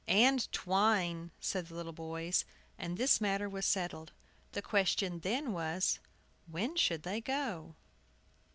"And twine," said the little boys. And this matter was settled. The question then was, "When should they go?"